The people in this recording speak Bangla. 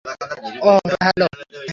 অহ, হ্যালো।